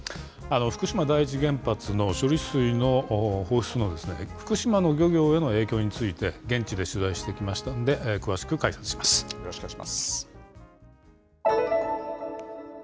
福島第一原発の処理水の放出のですね、福島の漁業への影響について、現地で取材してきましたので、詳しよろしくお願いします。